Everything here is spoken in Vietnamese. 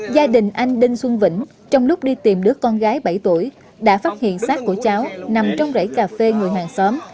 gia đình anh đinh xuân vĩnh trong lúc đi tìm đứa con gái bảy tuổi đã phát hiện sát của cháu nằm trong rẫy cà phê ngồi hàng xóm